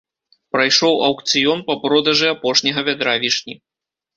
Прайшоў аўкцыён па продажы апошняга вядра вішні.